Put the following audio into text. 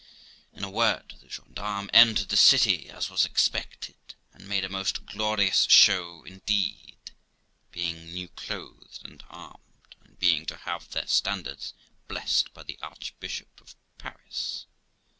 In a word, the gens (farmes entered the city, as was expected, and made a most glorious show indeed, being new clothed and armed, and being to have their standards blessed by the Archbishop of Paris.